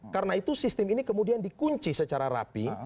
karena itu sistem ini kemudian dikunci secara rapi